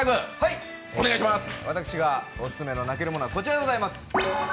私がオススメの泣けるものはこちらでございます。